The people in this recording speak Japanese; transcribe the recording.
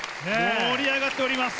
盛り上がっております。